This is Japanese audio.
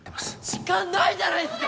時間ないじゃないっすか！